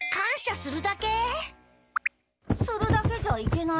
するだけじゃいけない？